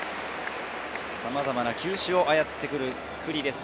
さまざまな球種を操ってくる九里です。